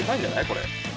これ。